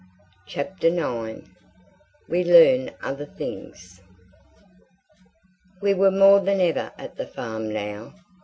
CHAPTER IX We Learn Other Things We were more than ever at the farm now.